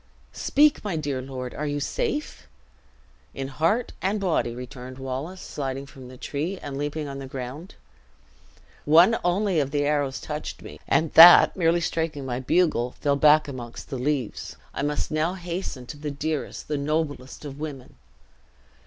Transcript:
"Speak, my dear lord; are you safe?" "In heart and body!" returned Wallace, sliding from the tree, and leaping on the ground. "One only of the arrows touched me; and that merely striking my bugle, fell back amongst the leaves. I must now hasten to the dearest, the noblest of women!"